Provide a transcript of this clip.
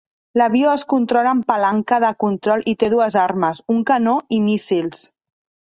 L'avió es controla amb palanca de control i té dues armes: un canó i míssils.